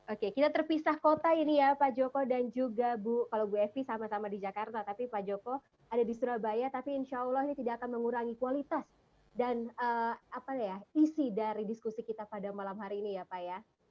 oke kita terpisah kota ini ya pak joko dan juga kalau bu evi sama sama di jakarta tapi pak joko ada di surabaya tapi insya allah ini tidak akan mengurangi kualitas dan isi dari diskusi kita pada malam hari ini ya pak ya